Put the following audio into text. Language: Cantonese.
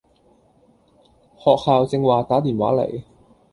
學校正話打電話嚟